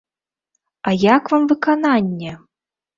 А як вам выкананне?